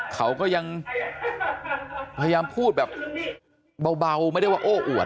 เขาก็ยังพยายามพูดแบบเบาไม่ได้ว่าโอ้อวด